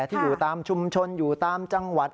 ที่อยู่ตามชุมชนอยู่ตามจังหวัด